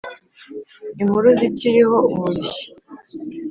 Impuruza ikiriho umurishyo !»